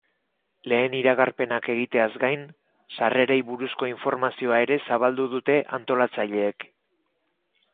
Lehen iragarpenak egiteaz gain, sarrerei buruzko informazioa ere zabaldu dute antolatzaileek.